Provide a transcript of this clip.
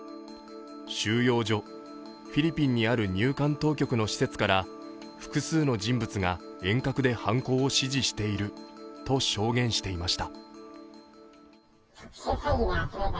収容所、フィリピンにある入管当局の施設から複数の人物が遠隔で犯行を指示していると証言していました。